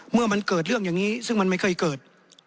เมื่อมันเกิดเรื่องอย่างนี้ซึ่งมันไม่เคยเกิด